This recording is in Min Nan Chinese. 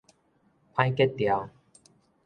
歹吉兆